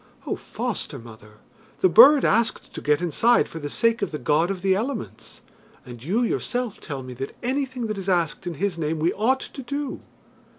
"Oh, foster mother, the bird asked to get inside for the sake of the God of the Elements, and you yourself tell me that anything that is asked in His name we ought to do.